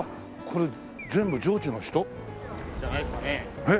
これ全部上智の人？じゃないですかね？